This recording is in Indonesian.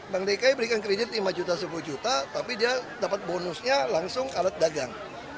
bank dki berikan kredit lima juta sepuluh juta tapi dia dapat bonusnya langsung alat dagang